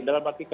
dalam arti kata